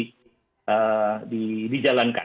bagaimana penularan itu tidak bisa dijalankan